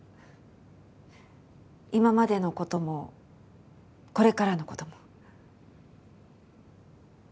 今までのこともこれからのことも。